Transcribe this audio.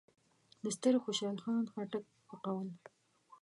د ستر خوشحال خان خټک په قول: